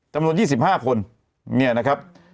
จำนวนยี่สิบห้าคนเนี่ยนะครับ